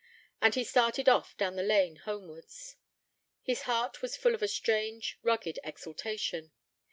And he started off down the lane homewards. His heart was full of a strange, rugged exaltation.